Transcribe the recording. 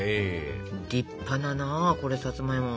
立派だなこれさつまいも。